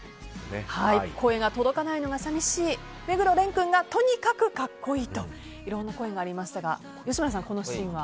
声が届かないのが寂しい目黒蓮君がとにかく格好いいといろんな声がありましたが吉村さん、このシーンは。